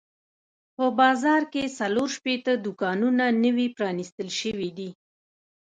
په بازار کې څلور شپېته دوکانونه نوي پرانیستل شوي دي.